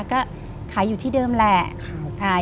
ก็ขายอยู่ที่เดิมแหละขาย